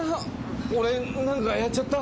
俺何かやっちゃった？